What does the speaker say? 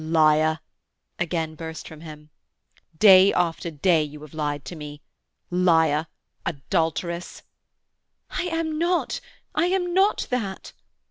"Liar!" again burst from him. "Day after day you have lied to me. Liar! Adultress!" "I am not! I am not that!"